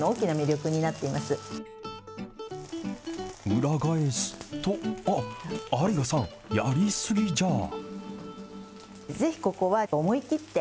裏返すと、あっ、有賀さん、やりすぎじゃあ？